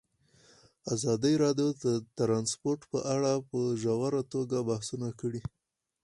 ازادي راډیو د ترانسپورټ په اړه په ژوره توګه بحثونه کړي.